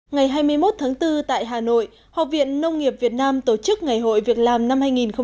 ngày hai mươi một tháng bốn tại hà nội học viện nông nghiệp việt nam tổ chức ngày hội việc làm năm hai nghìn một mươi chín